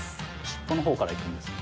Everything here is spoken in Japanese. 尻尾のほうから行くんですね。